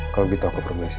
kalau gitu aku permisi